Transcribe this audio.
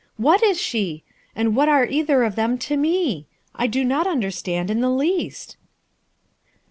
What is she? And what are either of them to me? i do not understand in the least."